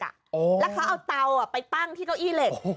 แล้วเขาเอาเตาไปตั้งที่เก้าอี้เหล็ก